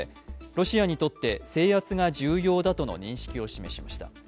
ロシアにとって制圧が重要だとの認識を示しました。